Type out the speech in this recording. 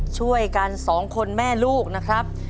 ด้วยกันสองคนแม่ลูกนะครับ